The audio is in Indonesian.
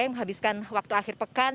yang menghabiskan waktu akhir pekan